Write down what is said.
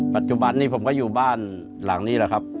ปัจจุบันนี้ผมก็อยู่บ้านหลังนี้แหละครับ